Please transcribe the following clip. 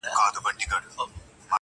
o جار دي سم روپۍ، چي هم سپر ئې، هم گدۍ٫